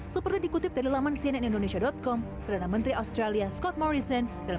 seperti dikutip dari laman cnn indonesia com karena menteri australia scott morrison dalam